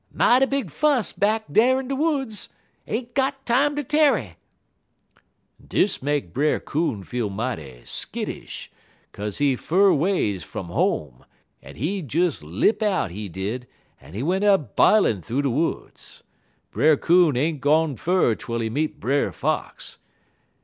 "'Mighty big fuss back dar in de woods. Ain't got time ter tarry!' "Dis make Brer Coon feel mighty skittish, 'kaze he fur ways fum home, en he des lipt out, he did, en went a b'ilin' thoo de woods. Brer Coon ain't gone fur twel he meet Brer Fox.